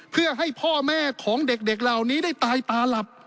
เพื่อให้พ่อแม่ของเด็กเหล่านี้ได้ตายตาหลับ